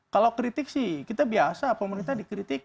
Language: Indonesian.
kalau kritik sih kita biasa pemerintah dikritik